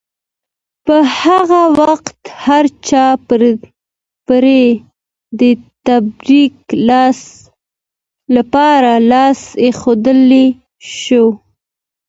په هغه وخت هرچا پرې د تبرک لپاره لاس ایښودلی شو.